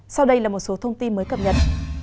sau đây là một số thông tin mới cập nhật